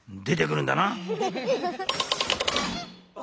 出てくるんだな。